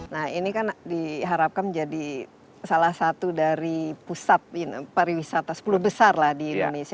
nah ini kan diharapkan menjadi salah satu dari pusat pariwisata sepuluh besar lah di indonesia